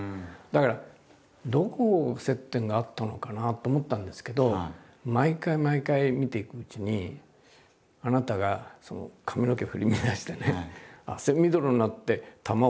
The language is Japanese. だからどこを接点があったのかなと思ったんですけど毎回毎回見ていくうちにあなたが髪の毛振り乱してね